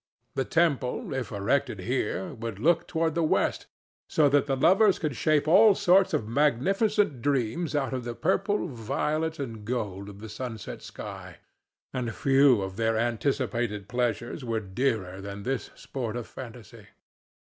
The temple, if erected here, would look toward the west; so that the lovers could shape all sorts of magnificent dreams out of the purple, violet and gold of the sunset sky, and few of their anticipated pleasures were dearer than this sport of fantasy.